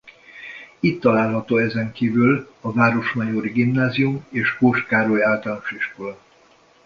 Itt található ezen kívül a Városmajori Gimnázium és Kós Károly Általános Iskola.